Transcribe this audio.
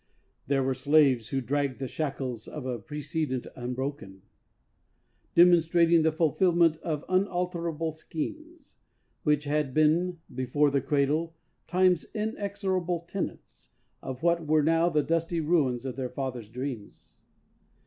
There were slaves who dragged the shackles of a precedent unbroken, Demonstrating the fulfilment of unalterable schemes, Which had been, before the cradle, Time's inexorable tenants Of what were now the dusty ruins of their father's dreams.